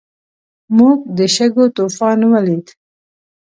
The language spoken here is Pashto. موږ د شګو طوفان ولید.